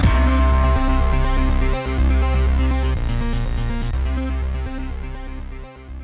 โปรดติดตามตอนต่อไป